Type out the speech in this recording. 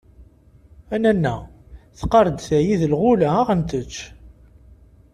A nanna... teqqar-d tayi d lɣula ad ɣen-tečč!